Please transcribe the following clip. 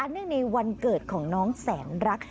เนื่องในวันเกิดของน้องแสนรัก